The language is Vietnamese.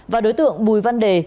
và đối tượng bùi văn đề